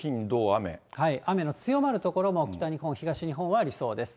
雨の強まる所も北日本、東日本はありそうです。